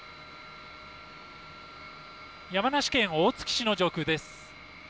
山梨県大月市の上空です。